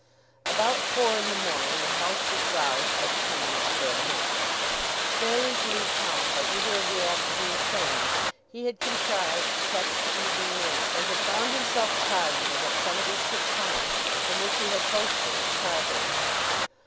About four in the morning the house was roused by the coming of the baronet. Failing to leave town by either of the afternoon trains, he had contrived to catch the evening mail, and had found himself deposited at some distant town from which he had posted to Carbury.